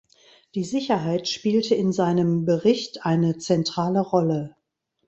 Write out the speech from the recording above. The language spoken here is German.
Die Sicherheit spielte in seinem Bericht eine zentrale Rolle.